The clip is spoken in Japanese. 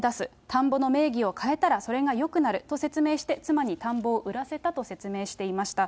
田んぼの名義を変えたらそれがよくなると説明して、妻に田んぼを売らせたと説明していました。